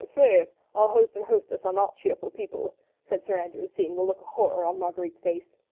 "Faith! our host and hostess are not cheerful people," said Sir Andrew, seeing the look of horror on Marguerite's face.